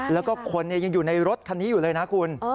แล้วก็คนยังอยู่ในรถคันนี้อยู่เลยนะคุณ